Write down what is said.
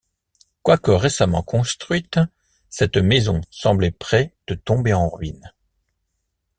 Quoique récemment construite, cette maison semblait près de tomber en ruine.